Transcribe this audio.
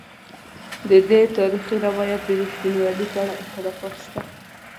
ددې تاریخي روایت د رښتینوالي په اړه اختلافات شته.